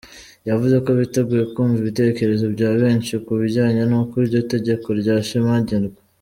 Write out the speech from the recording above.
Yavuze ko biteguye kumva ibitekerezo bya benshi ku bijyanye n’uko iryo tegeko ryashimangirwa.